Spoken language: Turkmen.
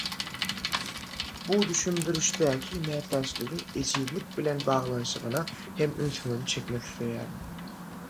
Bu düşündirişdäki mätäçligiň ejizlik bilen baglanşygyna hem ünsüňizi çekmek isleýärin.